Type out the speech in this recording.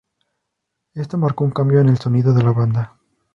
Esto marcó un cambio en el sonido de la banda.